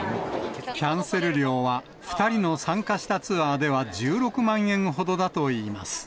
キャンセル料は２人の参加したツアーでは１６万円ほどだといいます。